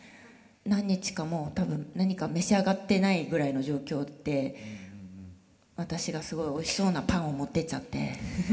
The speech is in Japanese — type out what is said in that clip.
何日かもう多分何か召し上がってないぐらいの状況で私がすごいおいしそうなパンを持ってっちゃって。